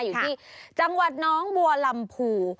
อยู่ที่จังหวัดน้องบัวลำพู